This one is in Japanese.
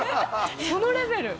そのレベル。